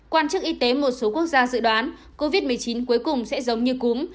quan chức y tế một số quốc gia dự đoán covid một mươi chín cuối cùng sẽ giống như cúm